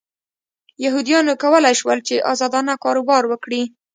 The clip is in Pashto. یهودیانو کولای شول چې ازادانه کاروبار وکړي.